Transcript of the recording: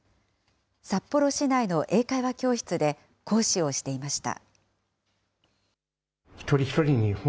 札幌市内の英会話教室で、講師をしていました。